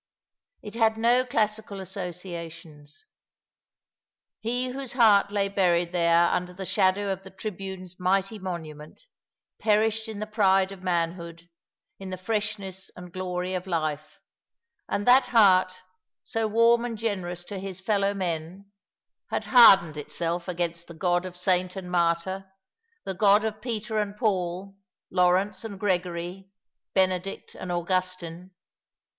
It had no classical associa tions. He whose heart lay buried there under the shadow of the tribune's mighty monument, perished in the pride of manhood, in the freshness and glory of life ; and that heart — so warm and generous to his fellow men — had hardened itself against the God of saint and martyr, the God of Peter and Paul, Lawrence and Gregory, Benedict and Augustine.